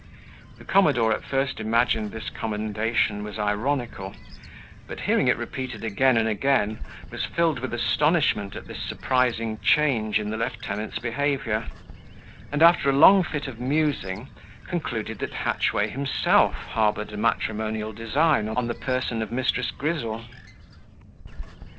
The commodore at first imagined this commendation was ironical; but, hearing it repeated again and again, was filled with astonishment at this surprising change in the lieutenant's behaviour; and, after a long fit of musing, concluded that Hatchway himself harboured a matrimonial design on the person of Mrs. Grizzle.